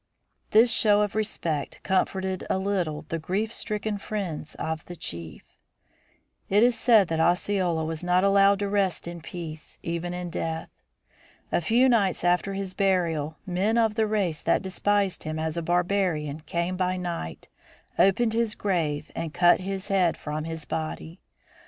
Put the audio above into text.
This show of respect comforted a little the grief stricken friends of the chief. It is said that Osceola was not allowed to rest in peace, even in death. A few nights after his burial men of the race that despised him as a barbarian came by night, opened his grave and cut his head from his body.